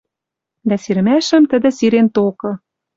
Дӓ сирмӓшӹм тӹдӹ сирен токы